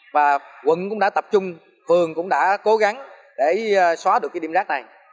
và quận cũng đã tập trung phường cũng đã cố gắng để xóa được cái điểm rác này